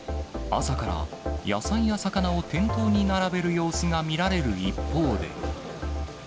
朝から野菜や魚を店頭に並べる様子が見られる一方で。